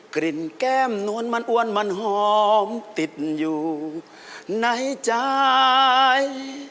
กลิ่นแก้มนวลมันอ้วนมันหอมติดอยู่ในใจ